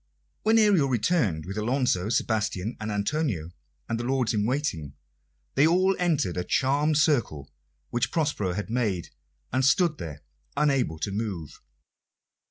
When Ariel returned with Alonso, Sebastian, and Antonio, and the lords in waiting, they all entered a charmed circle which Prospero had made, and stood there unable to move.